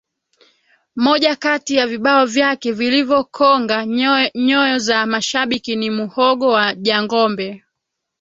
Moja Kati ya vibao vyake vilivyokonga nyoyo za mashabiki ni muhogo wa jangombe